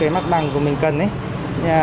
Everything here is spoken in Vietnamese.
mặt bằng của mình cần